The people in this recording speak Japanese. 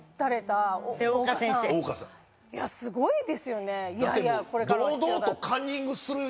いやすごいですよね。